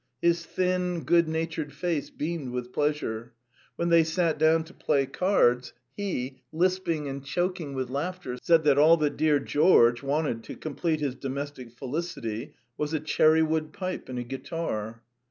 His thin, good natured face beamed with pleasure. When they sat down to play cards, he, lisping and choking with laughter, said that all that "dear George" wanted to complete his domestic felicity was a cherry wood pipe and a guitar.